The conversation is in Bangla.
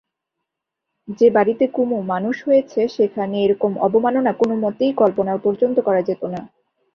যে বাড়িতে কুমু মানুষ হয়েছে সেখানে এরকম অবমাননা কোনোমতেই কল্পনা পর্যন্ত করা যেত না।